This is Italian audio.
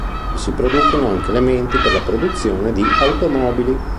Vi si producono anche elementi per la produzione di automobili.